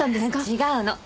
違うの。